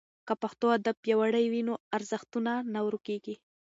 که پښتو ادب پیاوړی وي نو ارزښتونه نه ورکېږي.